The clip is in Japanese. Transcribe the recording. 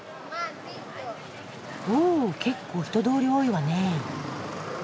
お結構人通り多いわね。